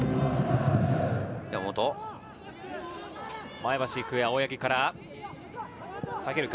前橋育英・青柳から下げるか？